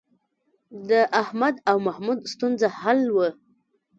د احمد او محمود ستونزه حل وه